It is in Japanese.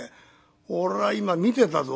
俺は今見てたぞ」。